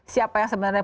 siapa yang sebenarnya